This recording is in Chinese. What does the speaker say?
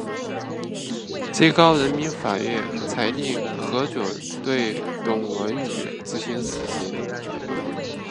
最高人民法院裁定核准对董文语执行死刑。